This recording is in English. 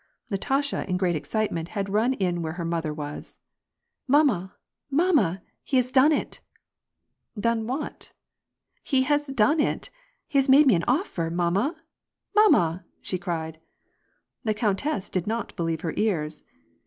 Natasha, in great excitement, had run in where her mother was. '^ Mamma ! mamma ! He has done it !" "Done what?" "He has done it! He has made me an offer; mamma! mamma !" she cried. The countess did not believe her ears.